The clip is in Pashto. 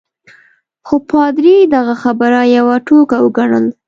خو پادري دغه خبره یوه ټوکه وګڼل.